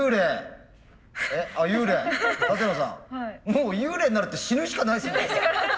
もう幽霊になるって死ぬしかないですもんね。